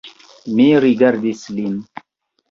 Mi rigardis lin.